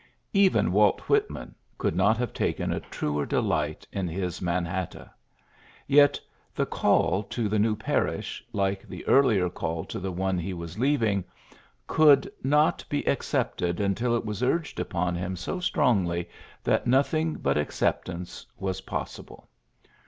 ^^ Even Walt Whitman could not have taken a truer delight in his Manahatta. Yet the call to the new 42 PHILLIPS BEOOKS parish, like the earlier call to the one he was leaving, could not be accepted until it was urged upon him so strongly that nothing but acceptance was possible.